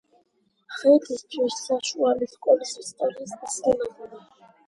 ხიდისთავის საშუალო სკოლის ისტორიის მასწავლებელი.